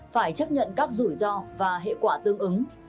phải chấp nhận các rủi ro và hệ quả tương ứng